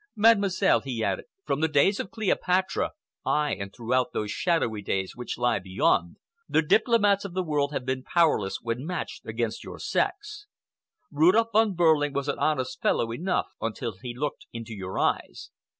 Mademoiselle," he added, "from the days of Cleopatra—ay, and throughout those shadowy days which lie beyond—the diplomats of the world have been powerless when matched against your sex. Rudolph Von Behrling was an honest fellow enough until he looked into your eyes.